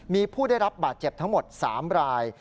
มีผู้ได้รับบาดเจ็บทั้งหมด๓ราย